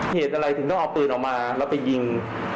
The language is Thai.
เหตุอะไรถึงต้องเอาปืนออกมาแล้วไปยิง